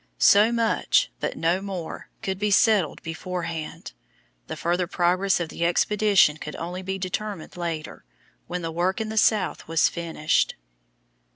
So much, but no more, could be settled beforehand. The further progress of the expedition could only be determined later, when the work in the South was finished.